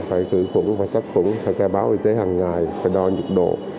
phải cử khuẩn phải sát khuẩn phải khai báo y tế hàng ngày phải đo nhiệt độ